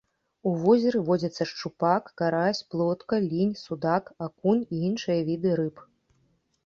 У возеры водзяцца шчупак, карась, плотка, лінь, судак, акунь і іншыя віды рыб.